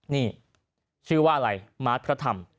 นี่ชื่อว่าอะไรมาร์ทพระธรรม